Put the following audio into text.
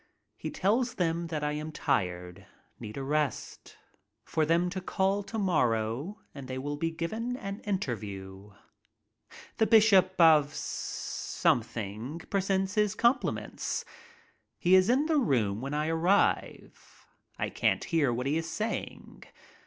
He tells them that I aim tired, need a rest, for them to call to morrow and they will be given an interview. The bishop of something presents his compliments. He is in the room when I arrive. I can't hear what he is saying.